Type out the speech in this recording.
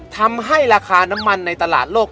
ทำให้ราคาน้ำมันในตลาดโลก